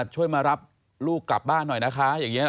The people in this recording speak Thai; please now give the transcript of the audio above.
ช่วยมารับลูกกลับบ้านหน่อยนะคะอย่างนี้